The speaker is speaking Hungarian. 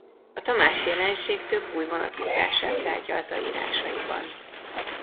A Tamási-jelenség több új vonatkozását tárgyalta írásaiban.